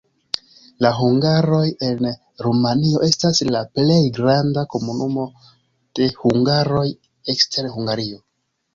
La hungaroj en Rumanio estas la plej granda komunumo de hungaroj ekster Hungario.